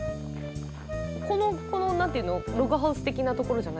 このこの何て言うのログハウス的なところじゃないの？